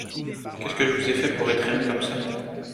Qu’est-ce que je vous ai fait pour être aimé comme ça ?